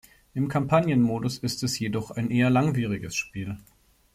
Im Kampagnen-Modus ist es jedoch ein eher langwieriges Spiel.